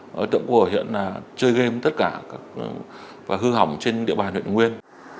đối tượng của huyện là chơi game tất cả và hư hỏng trên địa bàn huyện nguyên